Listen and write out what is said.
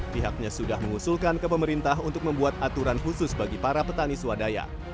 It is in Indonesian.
pihaknya sudah mengusulkan ke pemerintah untuk membuat aturan khusus bagi para petani swadaya